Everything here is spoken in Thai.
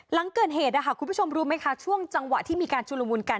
หลังเกิดเหตุคุณผู้ชมรู้ไหมคะช่วงจังหวะที่มีการชุลมุนกัน